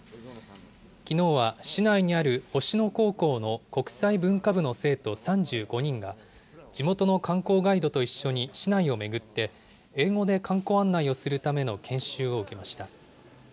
きのうは市内にある星野高校の国際文化部の生徒３５人が、地元の観光ガイドと一緒に市内を巡って、英語で観光案内をするための研修を受けました。